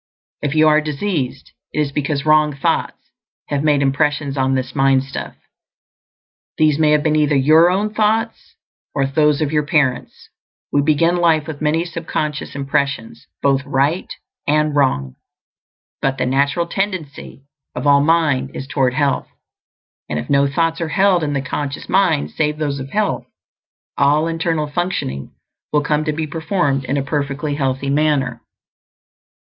If you are diseased, it is because wrong thoughts have made impressions on this mind stuff; these may have been either your own thoughts or those of your parents; we begin life with many sub conscious impressions, both right and wrong. But the natural tendency of all mind is toward health, and if no thoughts are held in the conscious mind save those of health, all internal functioning will come to be performed in a perfectly healthy manner.